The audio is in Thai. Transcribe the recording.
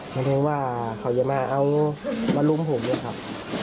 หมายถึงว่าเขาจะมาเอามารุ่มผมด้วยครับ